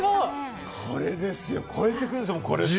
これですよ超えてくるんですよ。